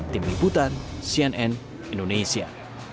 tim liputan cnn indonesia